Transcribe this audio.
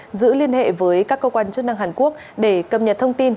giữ liên hệ với các cơ quan chức năng hàn quốc để cập nhật thông tin